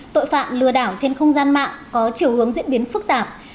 tội phạm lừa đảo trên không gian mạng có chiều hướng diễn biến phức tạp